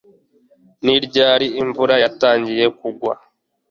ni ryari imvura yatangiye kugwa